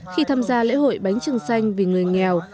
khi tham gia lễ hội bánh trưng xanh vì người nghèo